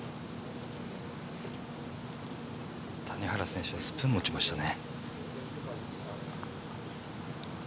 谷原選手はスプーン持ちましたね。